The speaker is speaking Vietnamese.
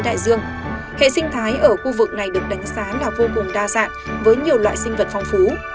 đại dương hệ sinh thái ở khu vực này được đánh giá là vô cùng đa dạng với nhiều loại sinh vật phong phú